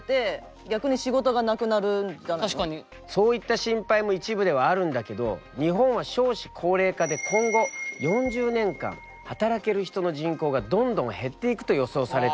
そういった心配も一部ではあるんだけど日本は少子高齢化で今後４０年間働ける人の人口がどんどん減っていくと予想されているんだ。